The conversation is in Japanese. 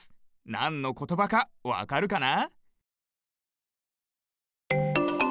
なんのことばかわかるかな？